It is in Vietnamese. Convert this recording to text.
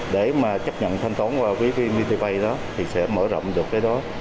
để mà chấp nhận thanh toán qua vmpt pay đó thì sẽ mở rộng được cái đó